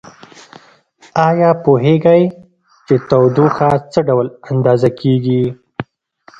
ایا پوهیږئ چې تودوخه څه ډول اندازه کیږي؟